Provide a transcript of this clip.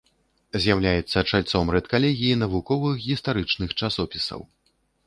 З'яўляецца чальцом рэдкалегіі навуковых гістарычных часопісаў.